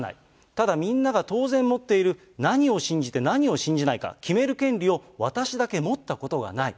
ただ、みんなが当然持っている何を信じて何を信じないか、決める権利を私だけ持ったことがない。